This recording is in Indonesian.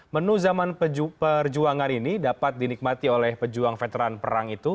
menu zaman perjuangan ini dapat dinikmati oleh pejuang veteran perang itu